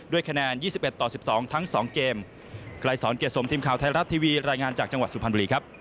ด้วยคะแนน๒๑ต่อ๑๒ทั้ง๒เกม